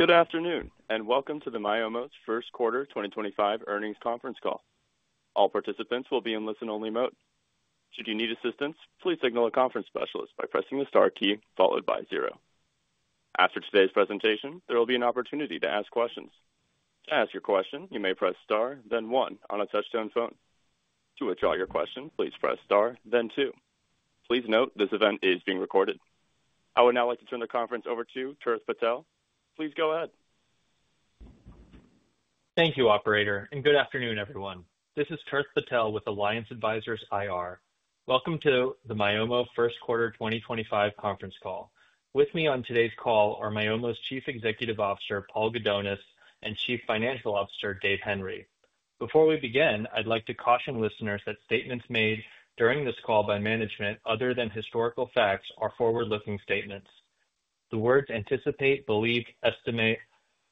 Good afternoon, and welcome to Myomo's First Quarter 2025 Earnings Conference Call. All participants will be in listen-only mode. Should you need assistance, please signal a conference specialist by pressing the star key followed by zero. After today's presentation, there will be an opportunity to ask questions. To ask your question, you may press star, then one on a touch-tone phone. To withdraw your question, please press star, then two. Please note this event is being recorded. I would now like to turn the conference over to Tirth Patel. Please go ahead. Thank you, Operator, and good afternoon, everyone. This is Tirth Patel with Alliance Advisors IR. Welcome to the Myomo First Quarter 2025 conference call. With me on today's call are Myomo's Chief Executive Officer, Paul Gudonis, and Chief Financial Officer, Dave Henry. Before we begin, I'd like to caution listeners that statements made during this call by management, other than historical facts, are forward-looking statements. The words anticipate, believe, estimate,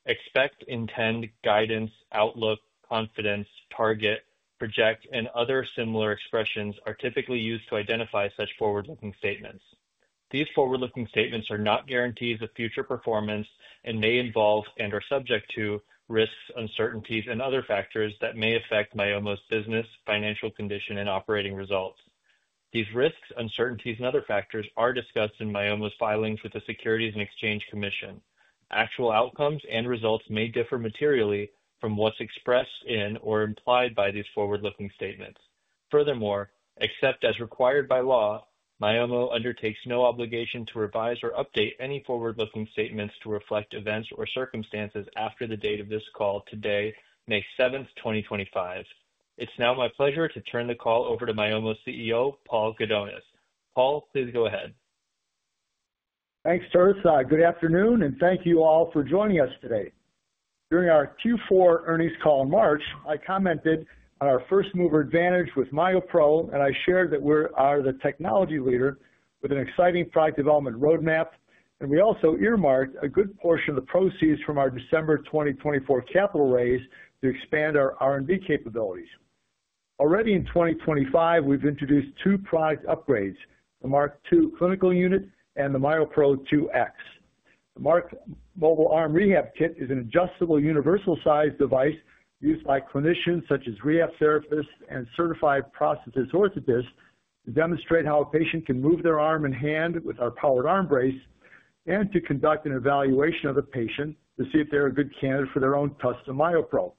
expect, intend, guidance, outlook, confidence, target, project, and other similar expressions are typically used to identify such forward-looking statements. These forward-looking statements are not guarantees of future performance and may involve and are subject to risks, uncertainties, and other factors that may affect Myomo's business, financial condition, and operating results. These risks, uncertainties, and other factors are discussed in Myomo's filings with the Securities and Exchange Commission. Actual outcomes and results may differ materially from what's expressed in or implied by these forward-looking statements. Furthermore, except as required by law, Myomo undertakes no obligation to revise or update any forward-looking statements to reflect events or circumstances after the date of this call today, May 7, 2025. It's now my pleasure to turn the call over to Myomo's CEO, Paul Gudonis. Paul, please go ahead. Thanks, Tirth. Good afternoon, and thank you all for joining us today. During our Q4 earnings call in March, I commented on our first-mover advantage with MyoPro, and I shared that we are the technology leader with an exciting product development roadmap, and we also earmarked a good portion of the proceeds from our December 2024 capital raise to expand our R&D capabilities. Already in 2025, we've introduced two product upgrades, the Mark 2 clinical unit and the MyoPro 2X. The MK Mobile Arm Rehab Kit is an adjustable universal-sized device used by clinicians such as rehab therapists and certified prosthetist orthotists to demonstrate how a patient can move their arm and hand with our powered arm brace and to conduct an evaluation of the patient to see if they're a good candidate for their own custom MyoPro.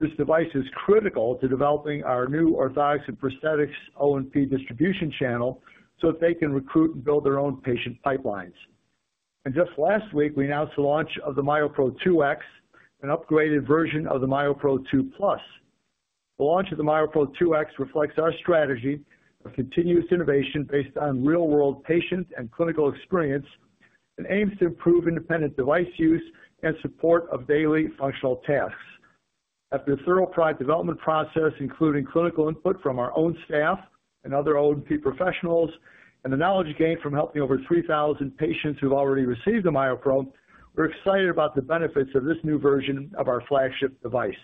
This device is critical to developing our new orthotics and prosthetics O&P distribution channel so that they can recruit and build their own patient pipelines. Just last week, we announced the launch of the MyoPro 2X, an upgraded version of the MyoPro 2 Plus. The launch of the MyoPro 2X reflects our strategy of continuous innovation based on real-world patient and clinical experience and aims to improve independent device use and support of daily functional tasks. After a thorough product development process, including clinical input from our own staff and other O&P professionals, and the knowledge gained from helping over 3,000 patients who've already received the MyoPro, we're excited about the benefits of this new version of our flagship device.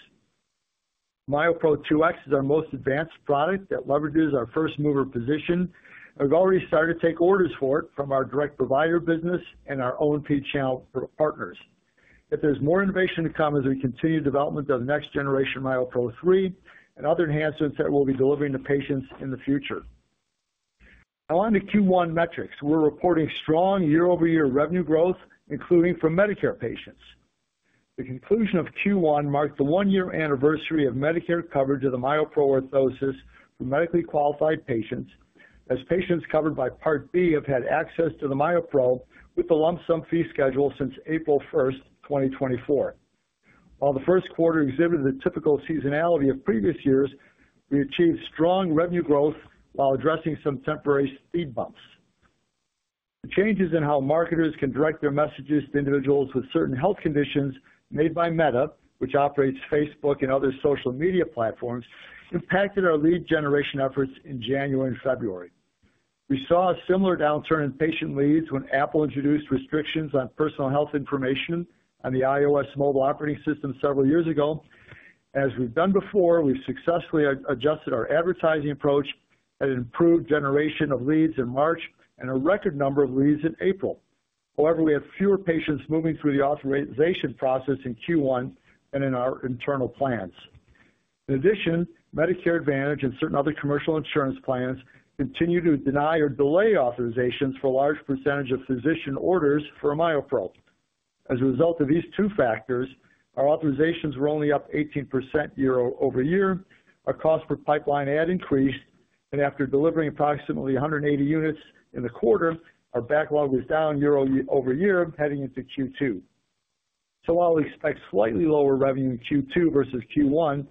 MyoPro 2X is our most advanced product that leverages our first-mover position, and we've already started to take orders for it from our direct provider business and our O&P channel partners. If there's more innovation to come as we continue development of the next-generation MyoPro 3 and other enhancements that we'll be delivering to patients in the future. Now, on to Q1 metrics. We're reporting strong year-over-year revenue growth, including for Medicare patients. The conclusion of Q1 marked the one-year anniversary of Medicare coverage of the MyoPro orthosis for medically qualified patients, as patients covered by Part B have had access to the MyoPro with the lump sum fee schedule since April 1, 2024. While the first quarter exhibited the typical seasonality of previous years, we achieved strong revenue growth while addressing some temporary speed bumps. The changes in how marketers can direct their messages to individuals with certain health conditions made by Meta, which operates Facebook and other social media platforms, impacted our lead generation efforts in January and February. We saw a similar downturn in patient leads when Apple introduced restrictions on personal health information on the iOS mobile operating system several years ago. As we've done before, we've successfully adjusted our advertising approach and improved generation of leads in March and a record number of leads in April. However, we had fewer patients moving through the authorization process in Q1 than in our internal plans. In addition, Medicare Advantage and certain other commercial insurance plans continue to deny or delay authorizations for a large percentage of physician orders for a MyoPro. As a result of these two factors, our authorizations were only up 18% year-over-year, our cost per pipeline had increased, and after delivering approximately 180 units in the quarter, our backlog was down year-over-year heading into Q2. While we expect slightly lower revenue in Q2 versus Q1,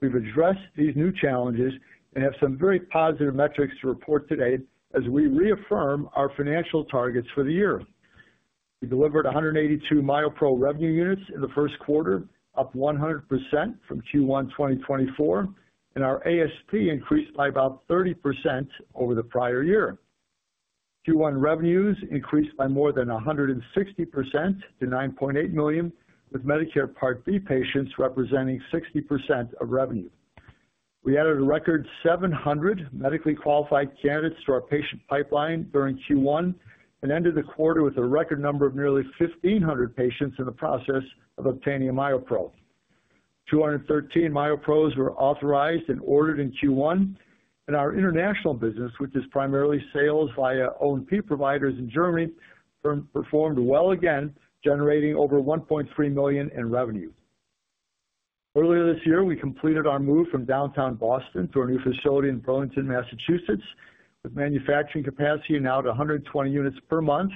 we've addressed these new challenges and have some very positive metrics to report today as we reaffirm our financial targets for the year. We delivered 182 MyoPro revenue units in the first quarter, up 100% from Q1 2024, and our ASP increased by about 30% over the prior year. Q1 revenues increased by more than 160% to $9.8 million, with Medicare Part B patients representing 60% of revenue. We added a record 700 medically qualified candidates to our patient pipeline during Q1 and ended the quarter with a record number of nearly 1,500 patients in the process of obtaining a MyoPro. 213 MyoPros were authorized and ordered in Q1, and our international business, which is primarily sales via O&P providers in Germany, performed well again, generating over $1.3 million in revenue. Earlier this year, we completed our move from downtown Boston to our new facility in Burlington, Massachusetts, with manufacturing capacity now to 120 units per month,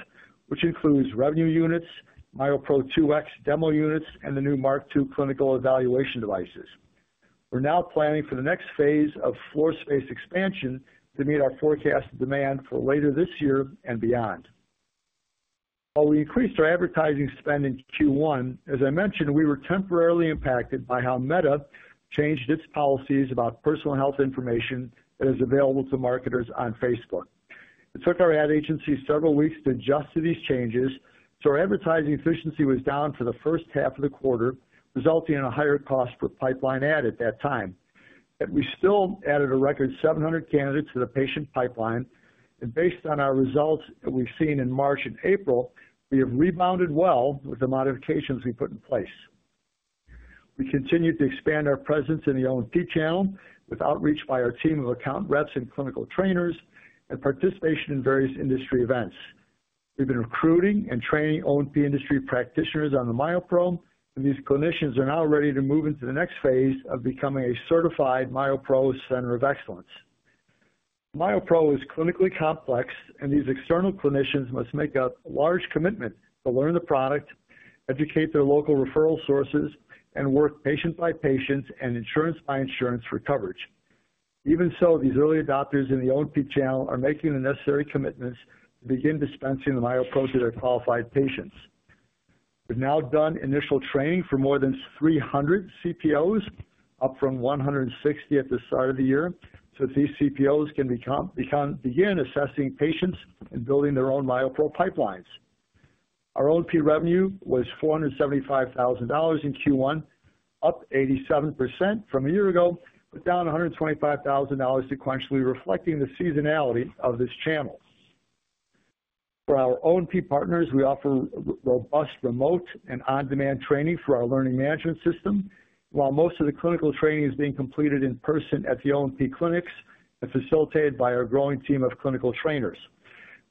which includes revenue units, MyoPro 2X demo units, and the new MK Mobile Arm Rehab Kit Clinical Evaluation Devices. We're now planning for the next phase of floor space expansion to meet our forecast demand for later this year and beyond. While we increased our advertising spend in Q1, as I mentioned, we were temporarily impacted by how Meta changed its policies about personal health information that is available to marketers on Facebook. It took our ad agency several weeks to adjust to these changes, so our advertising efficiency was down for the first half of the quarter, resulting in a higher cost per pipeline ad at that time. We still added a record 700 candidates to the patient pipeline, and based on our results that we've seen in March and April, we have rebounded well with the modifications we put in place. We continue to expand our presence in the O&P channel with outreach by our team of account reps and clinical trainers and participation in various industry events. We've been recruiting and training O&P industry practitioners on the MyoPro, and these clinicians are now ready to move into the next phase of becoming a certified MyoPro Center of Excellence. MyoPro is clinically complex, and these external clinicians must make a large commitment to learn the product, educate their local referral sources, and work patient by patient and insurance by insurance for coverage. Even so, these early adopters in the O&P channel are making the necessary commitments to begin dispensing the MyoPro to their qualified patients. We've now done initial training for more than 300 CPOs, up from 160 at the start of the year, so that these CPOs can begin assessing patients and building their own MyoPro pipelines. Our O&P revenue was $475,000 in Q1, up 87% from a year ago, but down $125,000 sequentially, reflecting the seasonality of this channel. For our O&P partners, we offer robust remote and on-demand training for our learning management system, while most of the clinical training is being completed in person at the O&P clinics and facilitated by our growing team of clinical trainers.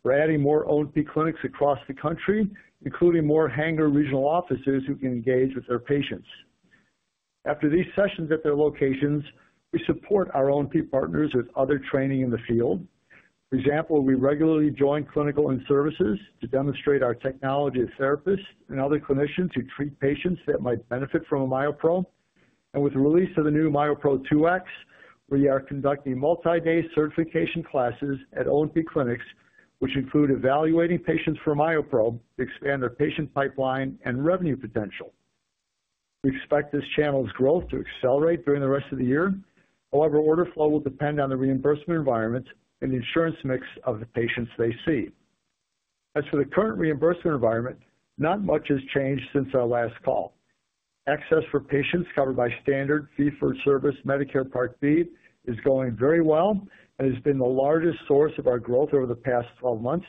We're adding more O&P clinics across the country, including more Hanger regional offices who can engage with their patients. After these sessions at their locations, we support our O&P partners with other training in the field. For example, we regularly join clinical and services to demonstrate our technology to therapists and other clinicians who treat patients that might benefit from a MyoPro. With the release of the new MyoPro 2X, we are conducting multi-day certification classes at O&P clinics, which include evaluating patients for MyoPro to expand their patient pipeline and revenue potential. We expect this channel's growth to accelerate during the rest of the year. However, order flow will depend on the reimbursement environment and the insurance mix of the patients they see. As for the current reimbursement environment, not much has changed since our last call. Access for patients covered by standard fee-for-service Medicare Part B is going very well and has been the largest source of our growth over the past 12 months.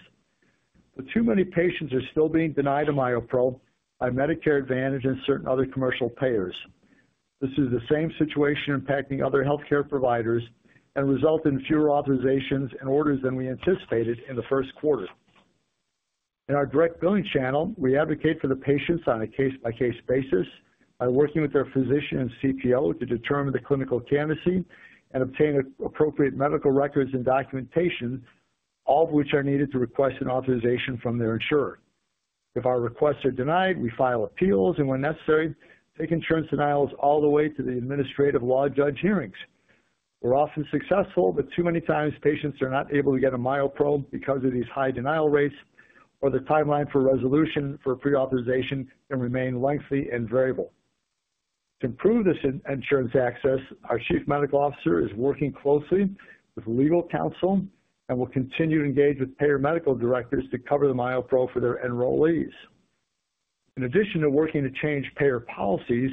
Too many patients are still being denied a MyoPro by Medicare Advantage and certain other commercial payers. This is the same situation impacting other healthcare providers and resulted in fewer authorizations and orders than we anticipated in the first quarter. In our direct billing channel, we advocate for the patients on a case-by-case basis by working with their physician and CPO to determine the clinical candidacy and obtain appropriate medical records and documentation, all of which are needed to request an authorization from their insurer. If our requests are denied, we file appeals and, when necessary, take insurance denials all the way to the Administrative Law Judge hearings. We're often successful, but too many times patients are not able to get a MyoPro because of these high denial rates, or the timeline for resolution for pre-authorization can remain lengthy and variable. To improve this insurance access, our Chief Medical Officer is working closely with legal counsel and will continue to engage with payer medical directors to cover the MyoPro for their enrollees. In addition to working to change payer policies,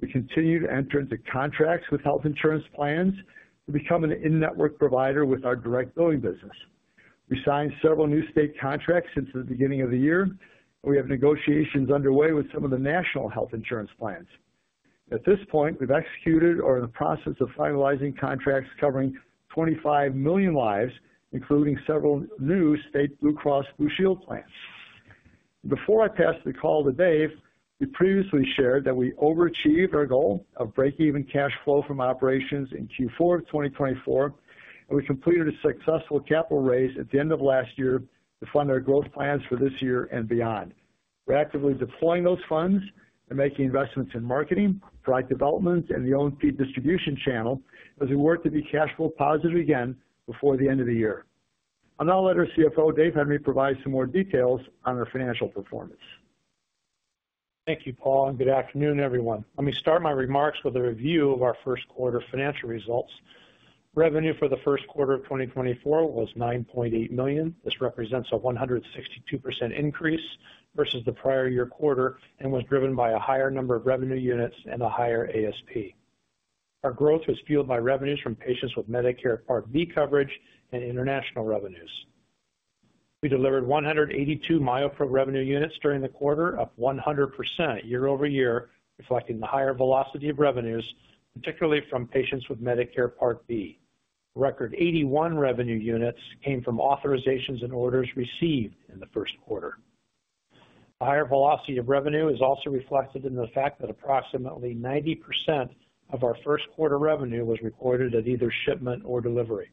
we continue to enter into contracts with health insurance plans to become an in-network provider with our direct billing business. We signed several new state contracts since the beginning of the year, and we have negotiations underway with some of the national health insurance plans. At this point, we've executed or are in the process of finalizing contracts covering 25 million lives, including several new state Blue Cross Blue Shield plans. Before I pass the call to Dave, we previously shared that we overachieved our goal of breaking even cash flow from operations in Q4 of 2024, and we completed a successful capital raise at the end of last year to fund our growth plans for this year and beyond. We're actively deploying those funds and making investments in marketing, product development, and the O&P distribution channel as we work to be cash flow positive again before the end of the year. I'll now let our CFO, Dave Henry, provide some more details on our financial performance. Thank you, Paul, and good afternoon, everyone. Let me start my remarks with a review of our first quarter financial results. Revenue for the first quarter of 2024 was $9.8 million. This represents a 162% increase versus the prior year quarter and was driven by a higher number of revenue units and a higher ASP. Our growth was fueled by revenues from patients with Medicare Part B coverage and international revenues. We delivered 182 MyoPro revenue units during the quarter, up 100% year-over-year, reflecting the higher velocity of revenues, particularly from patients with Medicare Part B. Record 81 revenue units came from authorizations and orders received in the first quarter. The higher velocity of revenue is also reflected in the fact that approximately 90% of our first quarter revenue was recorded at either shipment or delivery.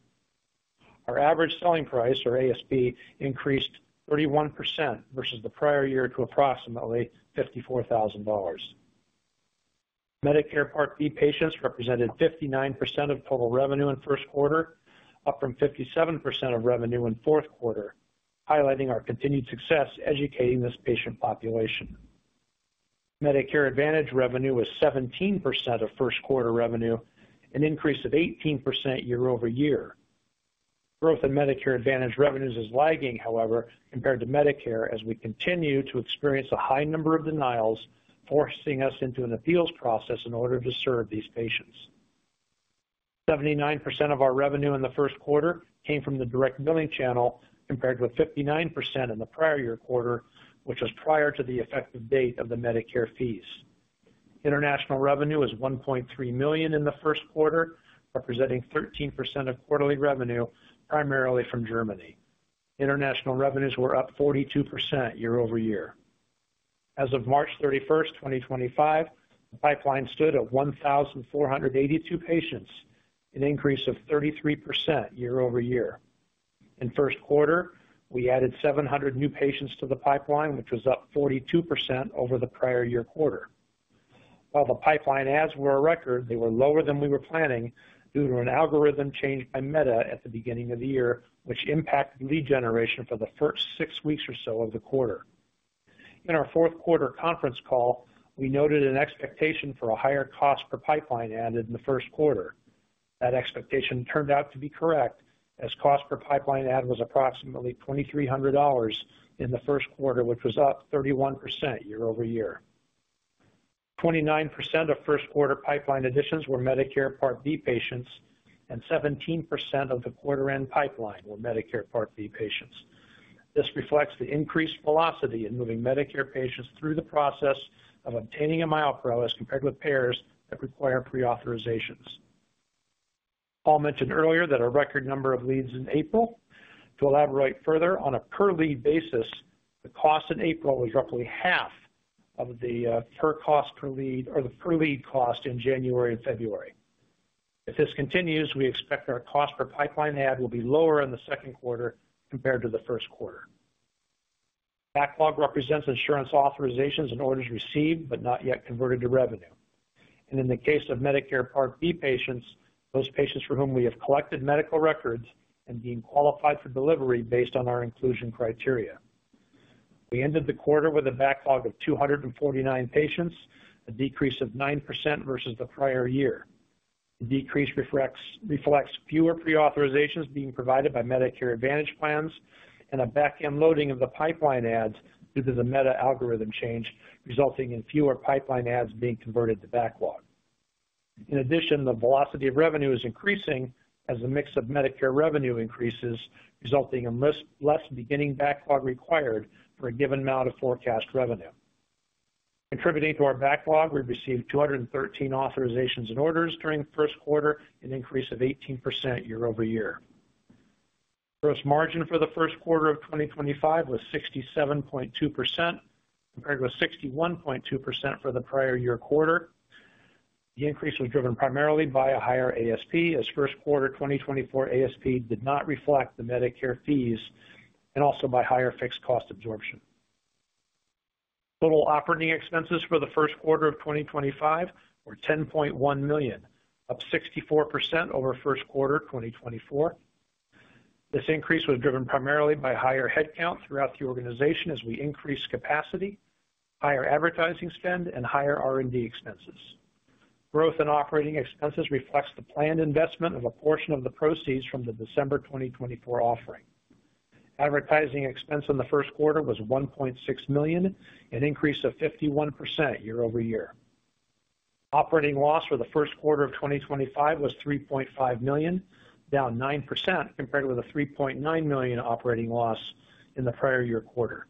Our average selling price, or ASP, increased 31% versus the prior year to approximately $54,000. Medicare Part B patients represented 59% of total revenue in first quarter, up from 57% of revenue in fourth quarter, highlighting our continued success educating this patient population. Medicare Advantage revenue was 17% of first quarter revenue, an increase of 18% year-over-year. Growth in Medicare Advantage revenues is lagging, however, compared to Medicare, as we continue to experience a high number of denials forcing us into an appeals process in order to serve these patients. 79% of our revenue in the first quarter came from the direct billing channel, compared with 59% in the prior year quarter, which was prior to the effective date of the Medicare fees. International revenue was $1.3 million in the first quarter, representing 13% of quarterly revenue, primarily from Germany. International revenues were up 42% year-over-year. As of March 31, 2025, the pipeline stood at 1,482 patients, an increase of 33% year-over-year. In first quarter, we added 700 new patients to the pipeline, which was up 42% over the prior year quarter. While the pipeline adds were a record, they were lower than we were planning due to an algorithm change by Meta at the beginning of the year, which impacted lead generation for the first six weeks or so of the quarter. In our fourth quarter conference call, we noted an expectation for a higher cost per pipeline add in the first quarter. That expectation turned out to be correct, as cost per pipeline add was approximately $2,300 in the first quarter, which was up 31% year-over-year. 29% of first quarter pipeline additions were Medicare Part B patients, and 17% of the quarter-end pipeline were Medicare Part B patients. This reflects the increased velocity in moving Medicare patients through the process of obtaining a MyoPro as compared with payers that require pre-authorizations. Paul mentioned earlier that our record number of leads in April. To elaborate further, on a per-lead basis, the cost in April was roughly half of the per-lead cost in January and February. If this continues, we expect our cost per pipeline add will be lower in the second quarter compared to the first quarter. Backlog represents insurance authorizations and orders received but not yet converted to revenue. In the case of Medicare Part B patients, those patients for whom we have collected medical records and deemed qualified for delivery based on our inclusion criteria. We ended the quarter with a backlog of 249 patients, a decrease of 9% versus the prior year. The decrease reflects fewer pre-authorizations being provided by Medicare Advantage plans and a backend loading of the pipeline adds due to the Meta algorithm change, resulting in fewer pipeline adds being converted to backlog. In addition, the velocity of revenue is increasing as the mix of Medicare revenue increases, resulting in less beginning backlog required for a given amount of forecast revenue. Contributing to our backlog, we received 213 authorizations and orders during the first quarter, an increase of 18% year-over-year. Gross margin for the first quarter of 2025 was 67.2%, compared with 61.2% for the prior year quarter. The increase was driven primarily by a higher ASP, as first quarter 2024 ASP did not reflect the Medicare fees and also by higher fixed cost absorption. Total operating expenses for the first quarter of 2025 were $10.1 million, up 64% over first quarter 2024. This increase was driven primarily by higher headcount throughout the organization as we increased capacity, higher advertising spend, and higher R&D expenses. Growth in operating expenses reflects the planned investment of a portion of the proceeds from the December 2024 offering. Advertising expense in the first quarter was $1.6 million, an increase of 51% year-over-year. Operating loss for the first quarter of 2025 was $3.5 million, down 9% compared with a $3.9 million operating loss in the prior year quarter.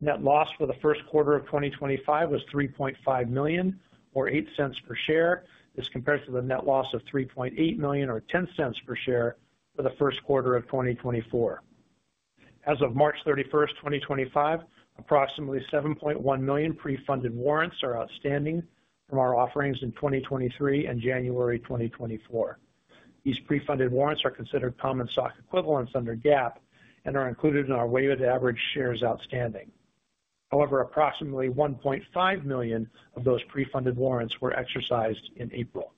Net loss for the first quarter of 2025 was $3.5 million, or $0.08 per share. This compares to the net loss of $3.8 million, or $0.10 per share, for the first quarter of 2024. As of March 31, 2025, approximately 7.1 million pre-funded warrants are outstanding from our offerings in 2023 and January 2024. These pre-funded warrants are considered common stock equivalents under GAAP and are included in our weighted average shares outstanding. However, approximately 1.5 million of those pre-funded warrants were exercised in April.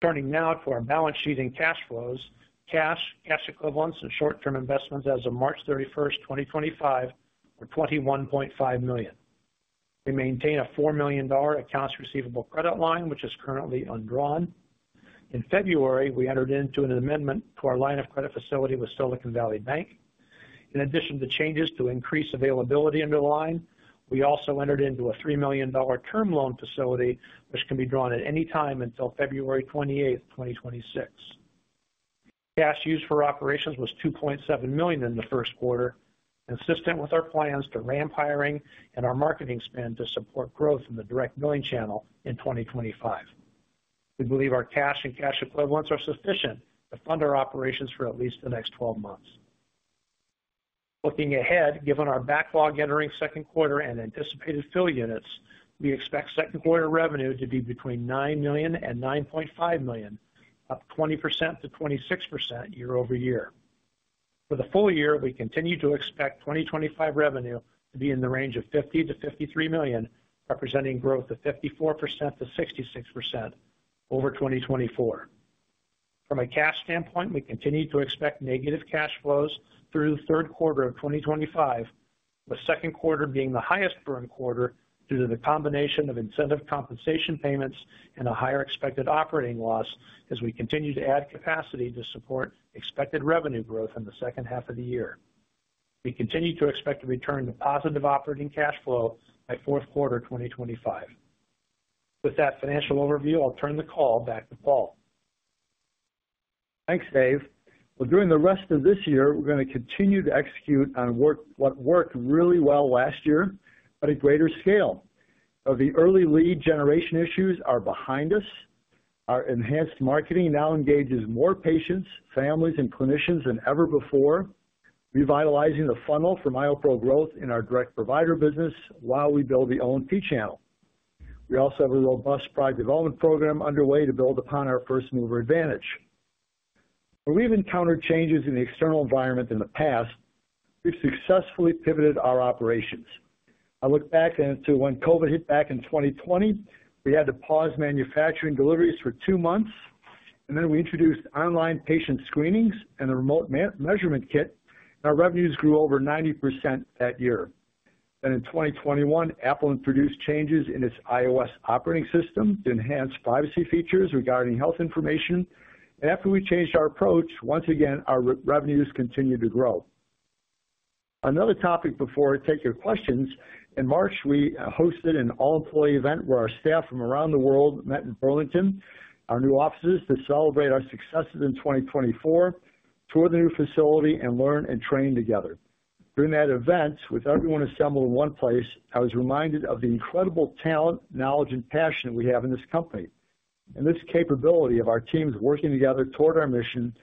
Turning now to our balance sheet and cash flows, cash, cash equivalents, and short-term investments as of March 31, 2025, were $21.5 million. We maintain a $4 million accounts receivable credit line, which is currently undrawn. In February, we entered into an amendment to our line of credit facility with Silicon Valley Bank. In addition to changes to increase availability under the line, we also entered into a $3 million term loan facility, which can be drawn at any time until February 28, 2026. Cash used for operations was $2.7 million in the first quarter, consistent with our plans to ramp hiring and our marketing spend to support growth in the direct billing channel in 2025. We believe our cash and cash equivalents are sufficient to fund our operations for at least the next 12 months. Looking ahead, given our backlog entering second quarter and anticipated fill units, we expect second quarter revenue to be between $9 million and $9.5 million, up 20%-26% year-over-year. For the full year, we continue to expect 2025 revenue to be in the range of $50 million-$53 million, representing growth of 54%-66% over 2024. From a cash standpoint, we continue to expect negative cash flows through the third quarter of 2025, with second quarter being the highest burn quarter due to the combination of incentive compensation payments and a higher expected operating loss as we continue to add capacity to support expected revenue growth in the second half of the year. We continue to expect to return to positive operating cash flow by fourth quarter 2025. With that financial overview, I'll turn the call back to Paul. Thanks, Dave. During the rest of this year, we're going to continue to execute on what worked really well last year, but at greater scale. The early lead generation issues are behind us. Our enhanced marketing now engages more patients, families, and clinicians than ever before, revitalizing the funnel for MyoPro growth in our direct provider business while we build the O&P channel. We also have a robust product development program underway to build upon our first mover advantage. Where we've encountered changes in the external environment in the past, we've successfully pivoted our operations. I look back into when COVID hit back in 2020. We had to pause manufacturing deliveries for two months, and then we introduced online patient screenings and a remote measurement kit, and our revenues grew over 90% that year. In 2021, Apple introduced changes in its iOS operating system to enhance privacy features regarding health information. After we changed our approach, once again, our revenues continued to grow. Another topic before I take your questions, in March, we hosted an all-employee event where our staff from around the world met in Burlington, our new offices, to celebrate our successes in 2024, tour the new facility, and learn and train together. During that event, with everyone assembled in one place, I was reminded of the incredible talent, knowledge, and passion we have in this company and this capability of our teams working together toward our mission.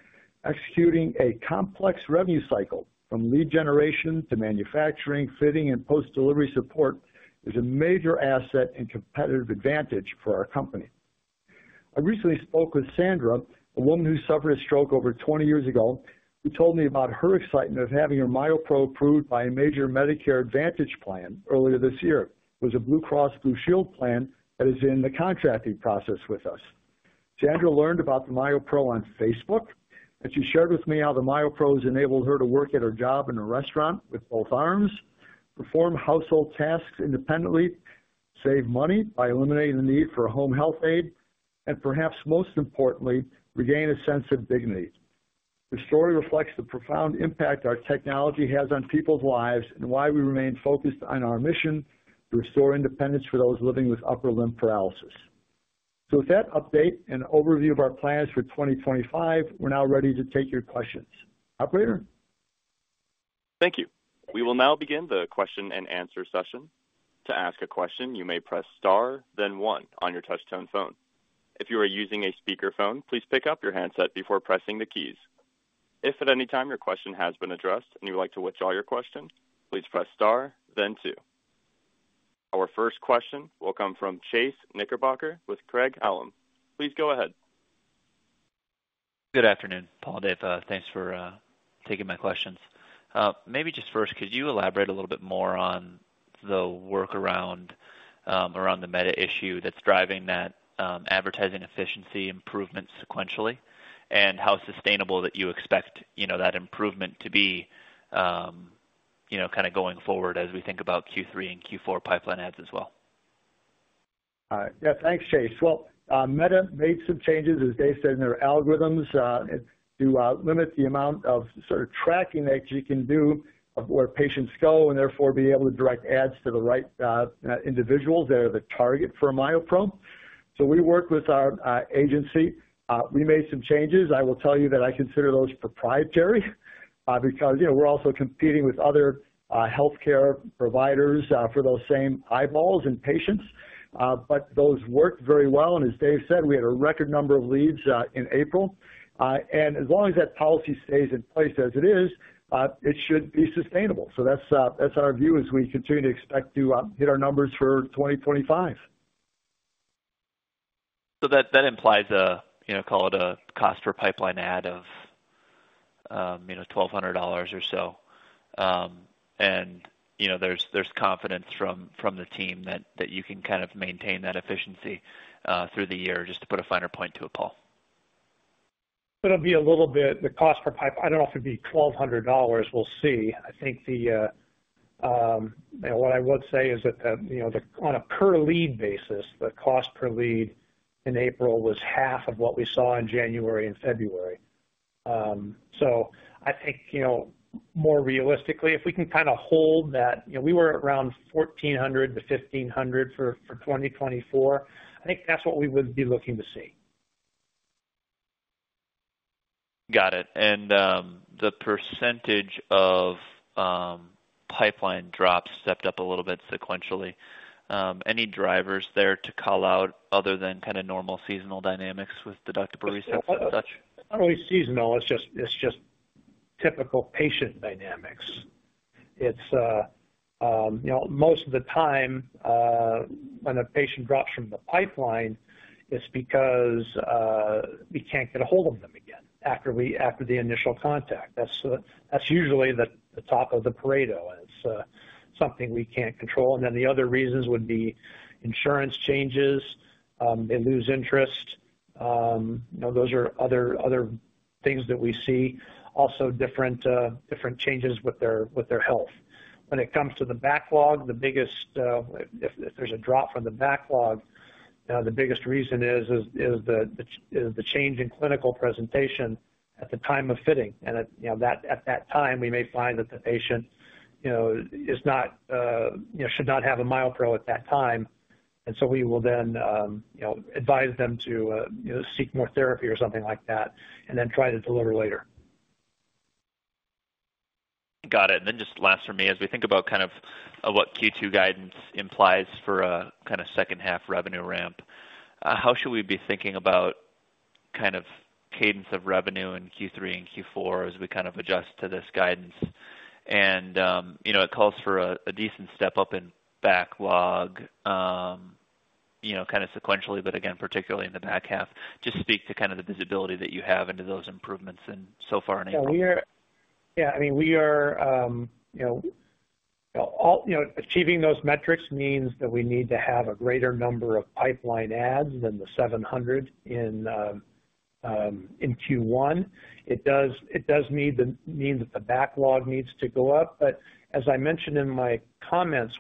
Executing a complex revenue cycle from lead generation to manufacturing, fitting, and post-delivery support is a major asset and competitive advantage for our company. I recently spoke with Sandra, a woman who suffered a stroke over 20 years ago, who told me about her excitement of having her MyoPro approved by a major Medicare Advantage plan earlier this year. It was a Blue Cross Blue Shield plan that is in the contracting process with us. Sandra learned about the MyoPro on Facebook, and she shared with me how the MyoPro has enabled her to work at her job in a restaurant with both arms, perform household tasks independently, save money by eliminating the need for a home health aid, and perhaps most importantly, regain a sense of dignity. The story reflects the profound impact our technology has on people's lives and why we remain focused on our mission to restore independence for those living with upper limb paralysis. With that update and overview of our plans for 2025, we're now ready to take your questions. Operator? Thank you. We will now begin the question and answer session. To ask a question, you may press star, then one on your touch-tone phone. If you are using a speakerphone, please pick up your handset before pressing the keys. If at any time your question has been addressed and you would like to withdraw your question, please press star, then two. Our first question will come from Chase Knickerbocker with Craig-Hallum. Please go ahead. Good afternoon, Paul. Thanks for taking my questions. Maybe just first, could you elaborate a little bit more on the work around the Meta issue that's driving that advertising efficiency improvement sequentially and how sustainable that you expect that improvement to be kind of going forward as we think about Q3 and Q4 pipeline ads as well? Yeah, thanks, Chase. Meta made some changes, as Dave said, in their algorithms to limit the amount of sort of tracking that you can do of where patients go and therefore be able to direct ads to the right individuals that are the target for MyoPro. We work with our agency. We made some changes. I will tell you that I consider those proprietary because we're also competing with other healthcare providers for those same eyeballs and patients. Those worked very well. As Dave said, we had a record number of leads in April. As long as that policy stays in place as it is, it should be sustainable. That is our view as we continue to expect to hit our numbers for 2025. That implies, call it a cost per pipeline add of $1,200 or so. There is confidence from the team that you can kind of maintain that efficiency through the year. Just to put a finer point to it, Paul. It will be a little bit the cost per pipeline. I do not know if it would be $1,200. We will see. I think what I would say is that on a per-lead basis, the cost per lead in April was half of what we saw in January and February. I think more realistically, if we can kind of hold that, we were around $1,400-$1,500 for 2024. I think that is what we would be looking to see. Got it. The percentage of pipeline drops stepped up a little bit sequentially. Any drivers there to call out other than kind of normal seasonal dynamics with deductible resets and such? Not really seasonal. It is just typical patient dynamics. Most of the time, when a patient drops from the pipeline, it is because we cannot get a hold of them again after the initial contact. That is usually the top of the parade. It is something we cannot control. The other reasons would be insurance changes. They lose interest. Those are other things that we see. Also, different changes with their health. When it comes to the backlog, if there is a drop from the backlog, the biggest reason is the change in clinical presentation at the time of fitting. At that time, we may find that the patient should not have a MyoPro at that time. We will then advise them to seek more therapy or something like that and then try to deliver later. Got it. Just last for me, as we think about kind of what Q2 guidance implies for a kind of second-half revenue ramp, how should we be thinking about kind of cadence of revenue in Q3 and Q4 as we kind of adjust to this guidance? It calls for a decent step up in backlog kind of sequentially, but again, particularly in the back half. Just speak to kind of the visibility that you have into those improvements and so far enabled. Yeah. I mean, we are achieving those metrics means that we need to have a greater number of pipeline ads than the 700 in Q1. It does mean that the backlog needs to go up. As I mentioned in my comments,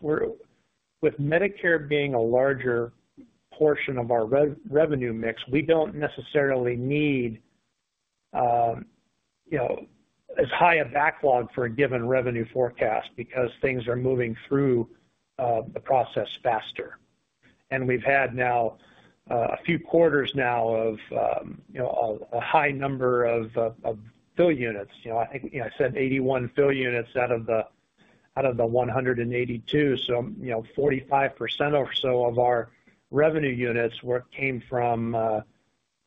with Medicare being a larger portion of our revenue mix, we do not necessarily need as high a backlog for a given revenue forecast because things are moving through the process faster. We have had now a few quarters of a high number of fill units. I think I said 81 fill units out of the 182. So, 45% or so of our revenue units came from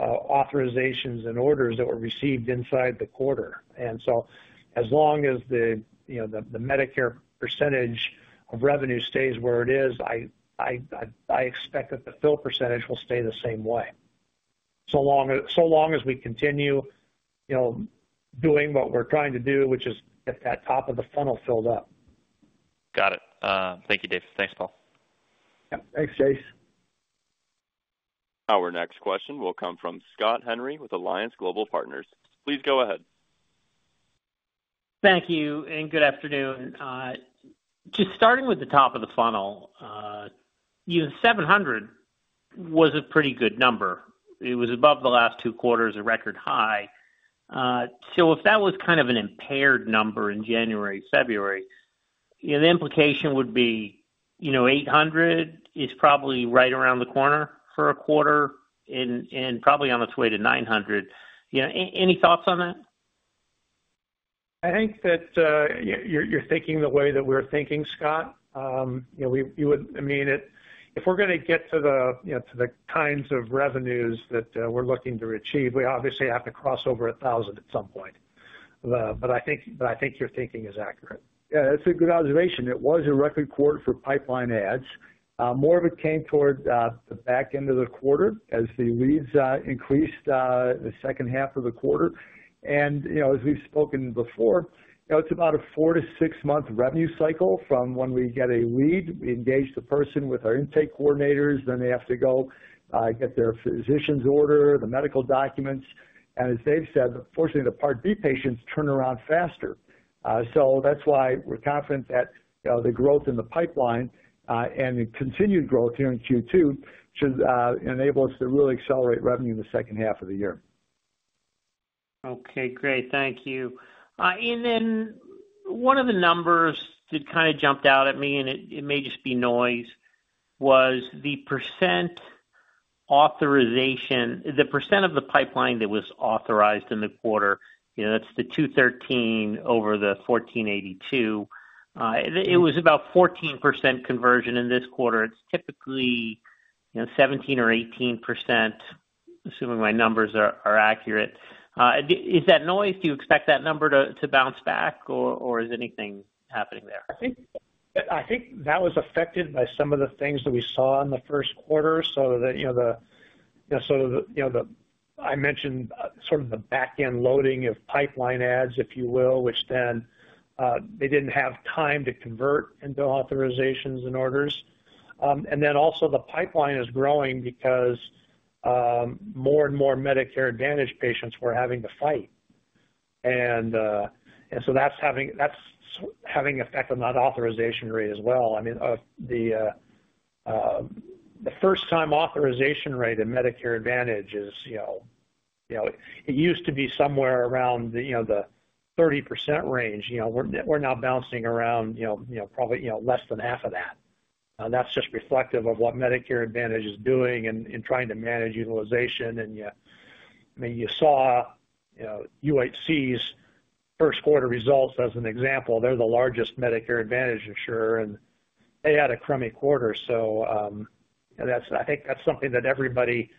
authorizations and orders that were received inside the quarter. As long as the Medicare percentage of revenue stays where it is, I expect that the fill percentage will stay the same way. As long as we continue doing what we are trying to do, which is get that top of the funnel filled up. Got it. Thank you, Dave. Thanks, Paul. Thanks, Chase. Our next question will come from Scott Henry with Alliance Global Partners. Please go ahead. Thank you. And good afternoon. Just starting with the top of the funnel, 700 was a pretty good number. It was above the last two quarters, a record high. If that was kind of an impaired number in January, February, the implication would be 800 is probably right around the corner for a quarter and probably on its way to 900. Any thoughts on that? I think that you're thinking the way that we're thinking, Scott. I mean, if we're going to get to the kinds of revenues that we're looking to achieve, we obviously have to cross over 1,000 at some point. I think your thinking is accurate. Yeah, that's a good observation. It was a record quarter for pipeline ads. More of it came toward the back end of the quarter as the leads increased the second half of the quarter. As we've spoken before, it's about a four- to six-month revenue cycle from when we get a lead, we engage the person with our intake coordinators, then they have to go get their physician's order, the medical documents. As Dave said, unfortunately, the Part B patients turn around faster. That's why we're confident that the growth in the pipeline and continued growth here in Q2 should enable us to really accelerate revenue in the second half of the year. Okay. Great. Thank you. One of the numbers that kind of jumped out at me, and it may just be noise, was the % authorization, the % of the pipeline that was authorized in the quarter. That's the 213 over the 1,482. It was about 14% conversion in this quarter. It's typically 17% or 18%, assuming my numbers are accurate. Is that noise? Do you expect that number to bounce back, or is anything happening there? I think that was affected by some of the things that we saw in the first quarter. The sort of the, I mentioned, sort of the back-end loading of pipeline ads, if you will, which then they didn't have time to convert into authorizations and orders. Also, the pipeline is growing because more and more Medicare Advantage patients were having to fight. That's having effect on that authorization rate as well. I mean, the first-time authorization rate in Medicare Advantage is, it used to be somewhere around the 30% range. We're now bouncing around probably less than half of that. That's just reflective of what Medicare Advantage is doing in trying to manage utilization. I mean, you saw UHC's first-quarter results as an example. They're the largest Medicare Advantage insurer, and they had a crummy quarter. I think that's something that everybody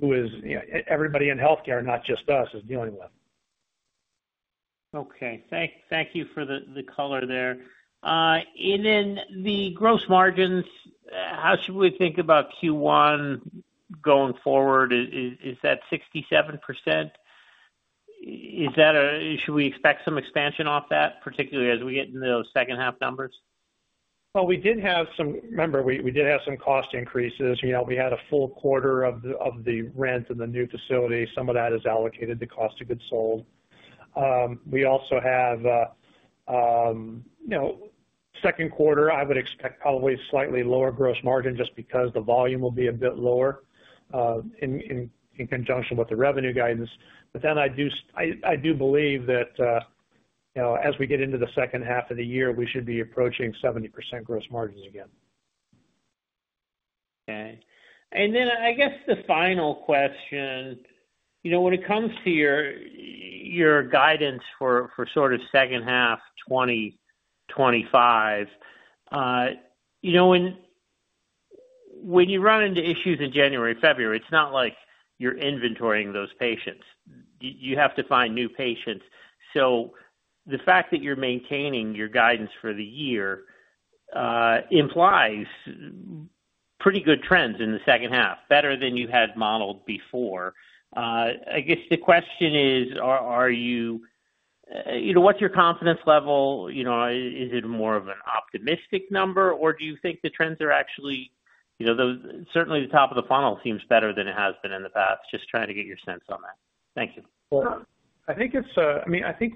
in healthcare, not just us, is dealing with. Okay. Thank you for the color there. The gross margins, how should we think about Q1 going forward? Is that 67%? Should we expect some expansion off that, particularly as we get into those second-half numbers? We did have some, remember, we did have some cost increases. We had a full quarter of the rent in the new facility. Some of that is allocated to cost of goods sold. We also have second quarter, I would expect probably slightly lower gross margin just because the volume will be a bit lower in conjunction with the revenue guidance. But then I do believe that as we get into the second half of the year, we should be approaching 70% gross margins again. Okay. And then I guess the final question, when it comes to your guidance for sort of second half 2025, when you run into issues in January and February, it's not like you're inventorying those patients. You have to find new patients. So, the fact that you're maintaining your guidance for the year implies pretty good trends in the second half, better than you had modeled before. I guess the question is, are you what's your confidence level? Is it more of an optimistic number, or do you think the trends are actually certainly the top of the funnel seems better than it has been in the past? Just trying to get your sense on that. Thank you. I think it's a, I mean, I think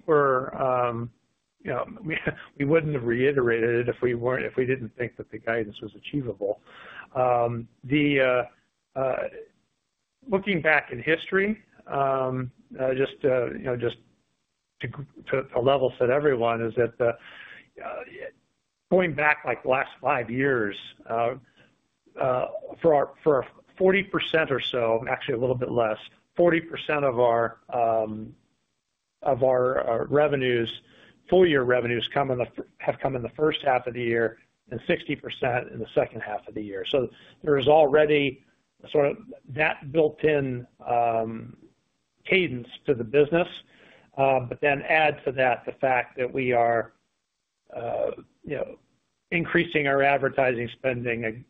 we wouldn't have reiterated it if we didn't think that the guidance was achievable. Looking back in history, just to level set everyone, is that going back like the last five years, for 40% or so, actually a little bit less, 40% of our revenues, full-year revenues have come in the first half of the year and 60% in the second half of the year. There is already sort of that built-in cadence to the business. Add to that the fact that we are increasing our advertising spending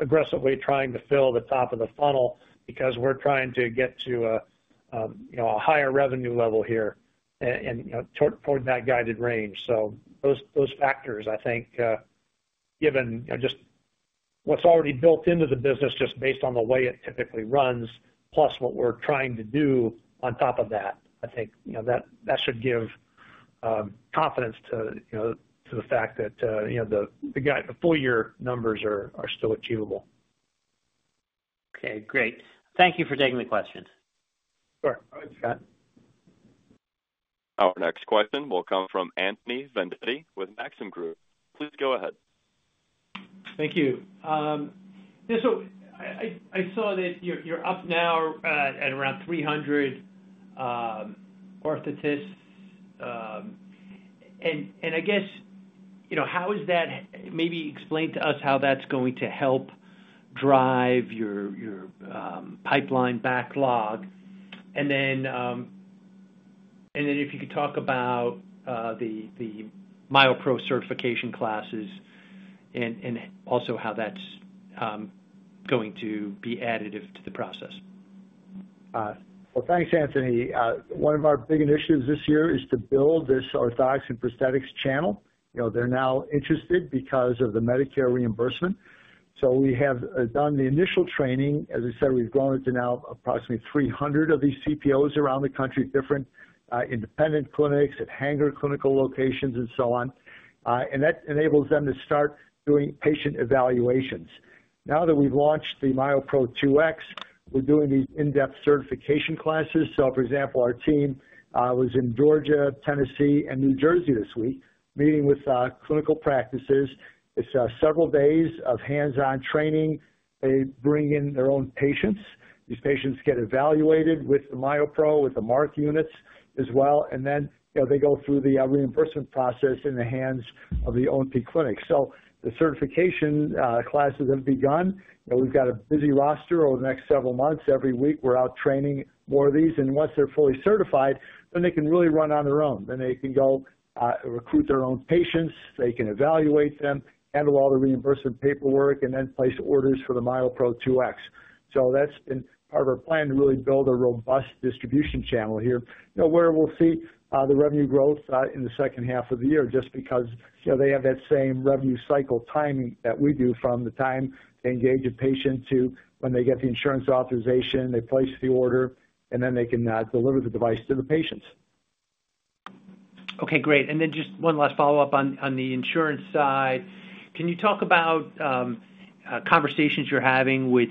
aggressively, trying to fill the top of the funnel because we're trying to get to a higher revenue level here and toward that guided range. Those factors, I think, given just what's already built into the business just based on the way it typically runs, plus what we're trying to do on top of that, I think that should give confidence to the fact that the full-year numbers are still achievable. Okay. Great. Thank you for taking the questions. Sure. All right, Scott. Our next question will come from Anthony Vendetti with Maxim Group. Please go ahead. Thank you. I saw that you're up now at around 300 orthotists. I guess, how is that, maybe explain to us how that's going to help drive your pipeline backlog? If you could talk about the MyoPro certification classes and also how that's going to be additive to the process. Thanks, Anthony. One of our big initiatives this year is to build this orthotics and prosthetics channel. They're now interested because of the Medicare reimbursement. We have done the initial training. As I said, we've grown it to now approximately 300 of these CPOs around the country, different independent clinics at Hanger clinical locations and so on. That enables them to start doing patient evaluations. Now that we've launched the MyoPro 2X, we're doing these in-depth certification classes. For example, our team was in Georgia, Tennessee, and New Jersey this week, meeting with clinical practices. It's several days of hands-on training. They bring in their own patients. These patients get evaluated with the MyoPro, with the MARK units as well. They go through the reimbursement process in the hands of the O&P clinic. The certification classes have begun. We've got a busy roster over the next several months. Every week, we're out training more of these. Once they're fully certified, they can really run on their own. They can go recruit their own patients. They can evaluate them, handle all the reimbursement paperwork, and then place orders for the MyoPro 2X. That's been part of our plan to really build a robust distribution channel here where we'll see the revenue growth in the second half of the year just because they have that same revenue cycle timing that we do from the time they engage a patient to when they get the insurance authorization, they place the order, and then they can deliver the device to the patients. Okay. Great. Just one last follow-up on the insurance side. Can you talk about conversations you're having with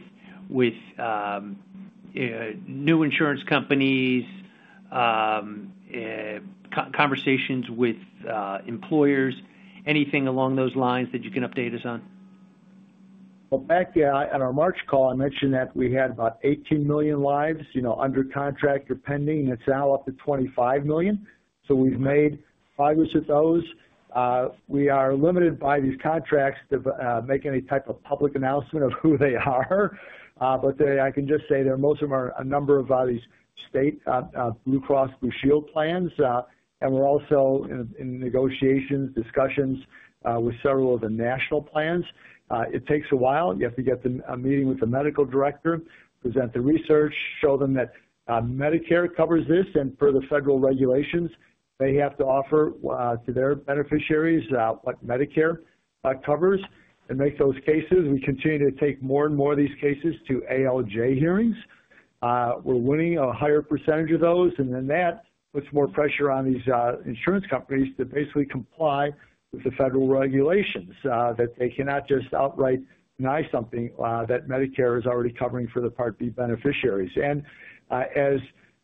new insurance companies, conversations with employers, anything along those lines that you can update us on? Back on our March call, I mentioned that we had about 18 million lives under contract or pending. It's now up to 25 million. We have made progress with those. We are limited by these contracts to make any type of public announcement of who they are. I can just say that most of them are a number of these state Blue Cross Blue Shield plans. We are also in negotiations, discussions with several of the national plans. It takes a while. You have to get a meeting with the medical director, present the research, show them that Medicare covers this. Per the federal regulations, they have to offer to their beneficiaries what Medicare covers and make those cases. We continue to take more and more of these cases to ALJ hearings. We are winning a higher percentage of those. That puts more pressure on these insurance companies to basically comply with the federal regulations that they cannot just outright deny something that Medicare is already covering for the Part B beneficiaries. As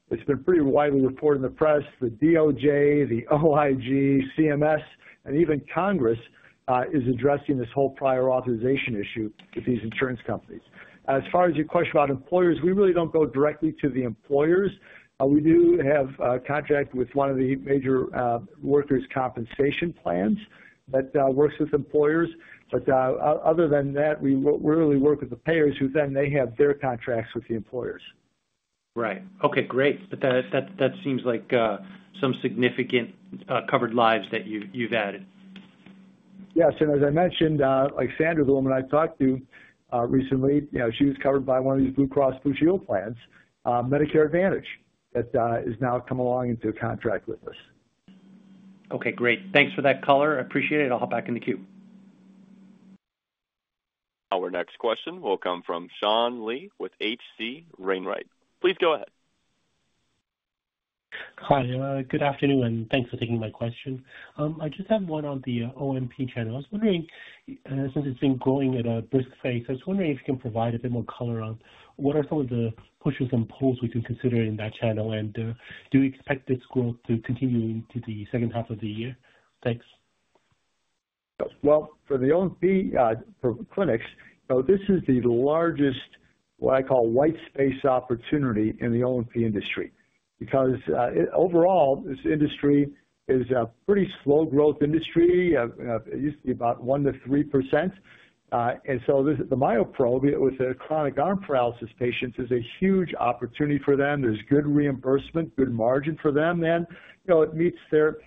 it's been pretty widely reported in the press, the DOJ, the OIG, CMS, and even Congress is addressing this whole prior authorization issue with these insurance companies. As far as your question about employers, we really do not go directly to the employers. We do have a contract with one of the major workers' compensation plans that works with employers. Other than that, we really work with the payers who then have their contracts with the employers. Right. Okay. Great. That seems like some significant covered lives that you've added. Yes. As I mentioned, Sandra, the woman I talked to recently, she was covered by one of these Blue Cross Blue Shield plans, Medicare Advantage, that has now come along into a contract with us. Okay. Great. Thanks for that color. I appreciate it. I'll hop back in the queue. Our next question will come from Sean Lee with H.C. Wainwright. Please go ahead. Hi. Good afternoon, and thanks for taking my question. I just have one on the O&P channel. I was wondering, since it's been growing at a brisk pace, if you can provide a bit more color on what are some of the pushes and pulls we can consider in that channel, and do we expect this growth to continue into the second half of the year? Thanks. For the O&P clinics, this is the largest what I call white space opportunity in the O&P industry because overall, this industry is a pretty slow growth industry. It used to be about 1-3%. The MyoPro, with the chronic arm paralysis patients, is a huge opportunity for them. There's good reimbursement, good margin for them, and it meets their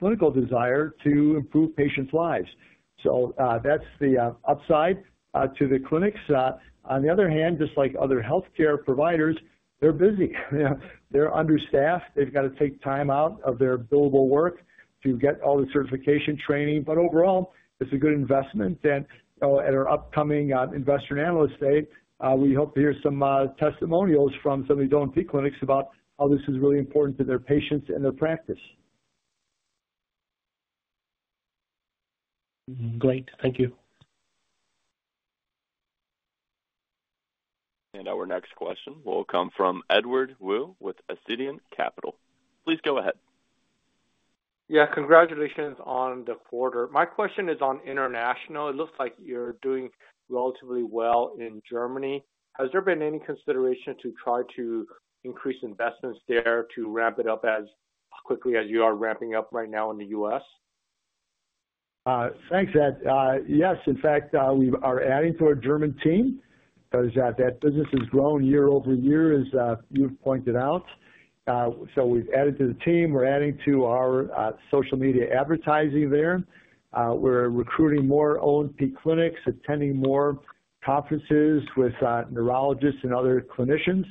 clinical desire to improve patients' lives. That's the upside to the clinics. On the other hand, just like other healthcare providers, they're busy. They're understaffed. They've got to take time out of their billable work to get all the certification training. Overall, it's a good investment. At our upcoming investor and analyst day, we hope to hear some testimonials from some of these O&P clinics about how this is really important to their patients and their practice. Great. Thank you. Our next question will come from Edward Wu with Ascendiant Capital. Please go ahead. Yeah. Congratulations on the quarter. My question is on international. It looks like you're doing relatively well in Germany. Has there been any consideration to try to increase investments there to ramp it up as quickly as you are ramping up right now in the U.S.? Thanks, Ed. Yes. In fact, we are adding to our German team because that business has grown year over year, as you've pointed out. So, we've added to the team. We're adding to our social media advertising there. We're recruiting more O&P clinics, attending more conferences with neurologists and other clinicians.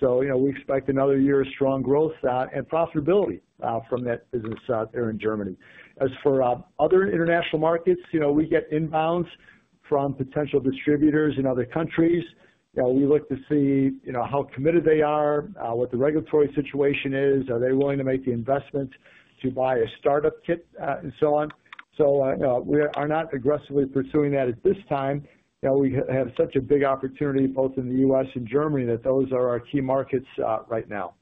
We expect another year of strong growth and profitability from that business there in Germany. As for other international markets, we get inbounds from potential distributors in other countries. We look to see how committed they are, what the regulatory situation is, are they willing to make the investment to buy a startup kit, and so on. We are not aggressively pursuing that at this time. We have such a big opportunity both in the U.S. and Germany that those are our key markets right now.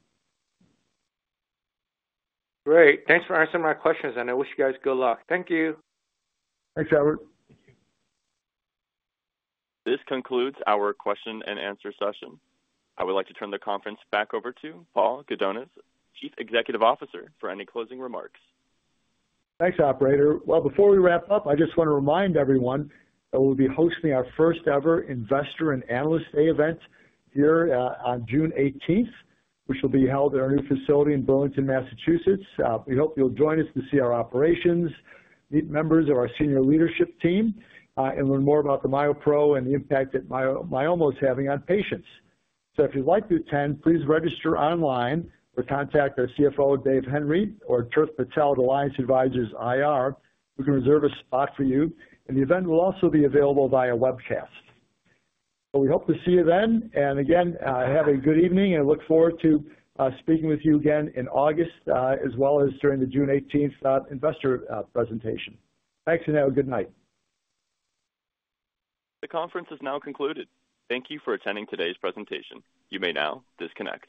Great. Thanks for answering my questions. I wish you guys good luck. Thank you. Thanks, Edward. Thank you. This concludes our question and answer session. I would like to turn the conference back over to Paul Gudonis, Chief Executive Officer, for any closing remarks. Thanks, operator. Before we wrap up, I just want to remind everyone that we'll be hosting our first-ever Investor and Analyst Day event here on June 18th, which will be held at our new facility in Burlington, Massachusetts. We hope you'll join us to see our operations, meet members of our senior leadership team, and learn more about the MyoPro and the impact that Myomo is having on patients. If you'd like to attend, please register online or contact our CFO, Dave Henry, or Tirth Patel at Alliance Advisors IR. We can reserve a spot for you. The event will also be available via webcast. We hope to see you then. Again, have a good evening, and I look forward to speaking with you again in August as well as during the June 18th investor presentation. Thanks, and have a good night. The conference is now concluded. Thank you for attending today's presentation. You may now disconnect.